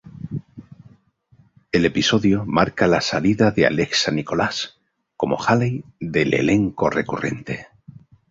El episodio, marca la salida de Alexa Nikolas como Haley del elenco recurrente.